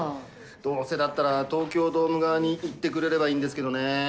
どうせだったら東京ドーム側に行ってくれればいいんですけどね。